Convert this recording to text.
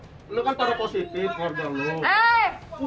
kamu kan terlalu positif